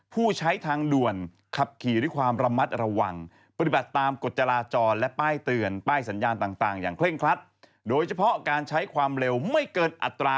ผู้ใช้ทางด่วนขับขี่ด้วยความระมัดระวัง